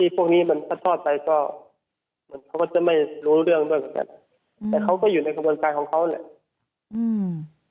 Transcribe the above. พวกนี้มันซัดทอดไปก็เหมือนเขาก็จะไม่รู้เรื่องด้วยเหมือนกันแต่เขาก็อยู่ในกระบวนการของเขาเนี่ยอืม